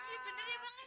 iya bener ya bang ya